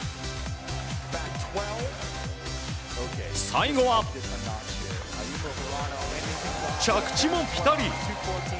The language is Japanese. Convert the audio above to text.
最後は着地もピタリ！